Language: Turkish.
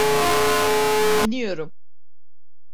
İniyorum.